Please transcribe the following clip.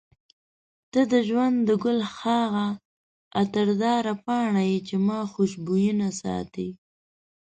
ته د ژوند د ګل هغه عطرداره پاڼه یې چې ما خوشبوینه ساتي.